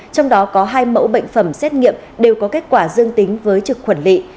trong đó có hai mẫu bệnh phẩm xét nghiệm đều có kết quả dương tính với trực khuẩn lị